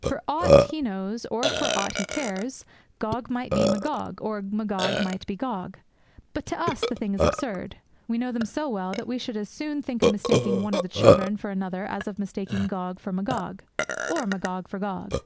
For aught he knows, or for aught he cares, Gog might be Magog, or Magog might be Gog. But to us the thing is absurd. We know them so well that we should as soon think of mistaking one of the children for another as of mistaking Gog for Magog, or Magog for Gog.